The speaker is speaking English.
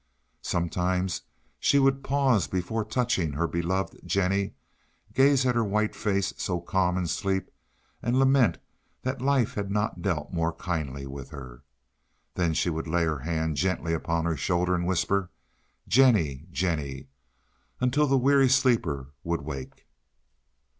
Sometimes she would pause before touching her beloved Jennie, gaze at her white face, so calm in sleep, and lament that life had not dealt more kindly with her. Then she would lay her hand gently upon her shoulder and whisper, "Jennie, Jennie," until the weary sleeper would wake.